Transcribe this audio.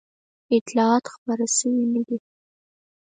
اطلاعات خپاره شوي نه دي.